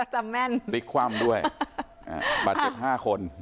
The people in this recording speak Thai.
อ๋อจำแม่นลิกความด้วยบัตรเจ็บห้าคน